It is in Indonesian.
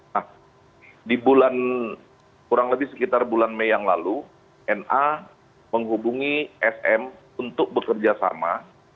nah di bulan kurang lebih sekitar bulan mei yang lalu na menghubungi sm untuk bekerja sama